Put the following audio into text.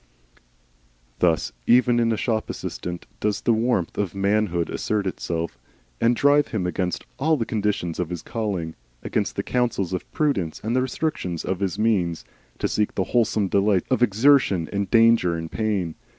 Thus even in a shop assistant does the warmth of manhood assert itself, and drive him against all the conditions of his calling, against the counsels of prudence and the restrictions of his means, to seek the wholesome delights of exertion and danger and pain.